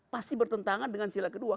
pasti bertentangan dengan sila kedua